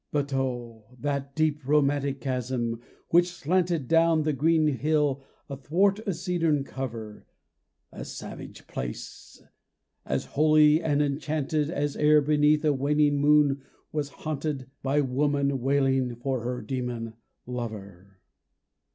But oh ! that deep romantic chasm which slanted Down the green hill athwart a cedarn cover ! A savage place ! as holy and enchanted As e'er beneath a waning moon was haunted By woman wailing for her demon lover!